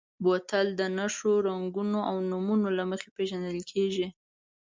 بوتل د نښو، رنګونو او نومونو له مخې پېژندل کېږي.